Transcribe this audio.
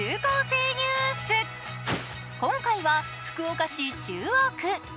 今回は福岡市中央区。